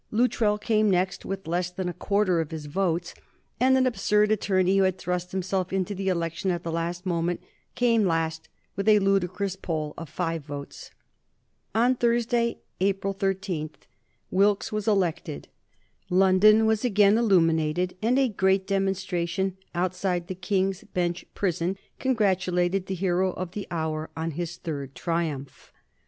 Luttrell came next with less than a quarter of his votes, and an absurd attorney, who had thrust himself into the election at the last moment, came last with a ludicrous poll of five votes. [Sidenote: 1769 Lord North and the Wilkes case] On Thursday, April 13, Wilkes was elected. London was again illuminated, and a great demonstration outside the King's Bench Prison congratulated the hero of the hour on his third triumph.